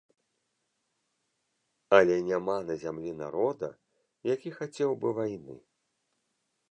Але няма на зямлі народа, які хацеў бы вайны.